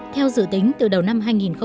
theo dự tính từ đầu năm hai nghìn một mươi chín